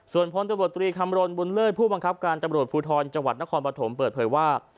ส่วนพลตำรวจตรีคำรณบุญเลิศผู้บังคับการตำรวจภูทรจังหวัดนครปฐมเปิดเผยว่า